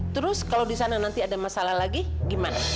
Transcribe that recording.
terus kalau di sana nanti ada masalah lagi gimana